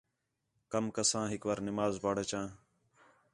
کم کساں ہِک وار نماز پڑھ اچاں